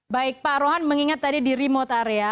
baik pak rohan mengingat tadi di remote area